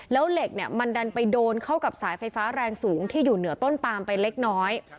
แล้วเหล็กเนี่ยมันดันไปโดนเข้ากับสายไฟฟ้าแรงสูงที่อยู่เหนือต้นปามไปเล็กน้อย